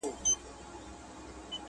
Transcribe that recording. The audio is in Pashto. وږي نس ته یې لا ښکار نه وو میندلی،